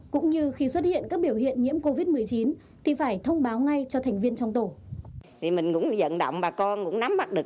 cũng như khi xuất hiện các biểu hiện nhiễm covid một mươi chín thì phải thông báo ngay cho thành viên trong tổ